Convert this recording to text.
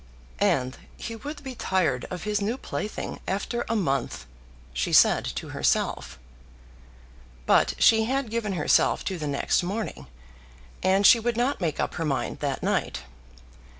"And he would be tired of his new plaything after a month," she said to herself. But she had given herself to the next morning, and she would not make up her mind that night.